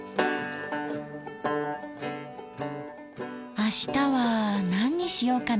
明日は何にしようかな？